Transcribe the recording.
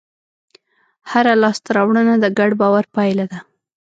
هره لاستهراوړنه د ګډ باور پایله ده.